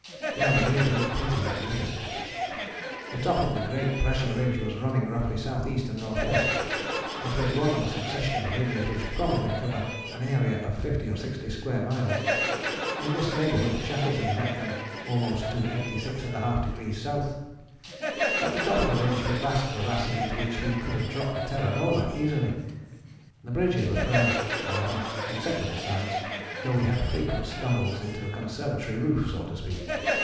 They are beginning to look pretty magnificent. The top of the great pressure ridge was running roughly S.E. and N.W.: it was one of a succession of ridges which probably cover an area of fifty or sixty square miles. In this neighbourhood Shackleton met them almost to 86½° south. At the top of the ridge were vast crevasses into which we could have dropped the Terra Nova easily. The bridges were firm, however, except at the sides, though we had frequent stumbles into the conservatory roof, so to speak.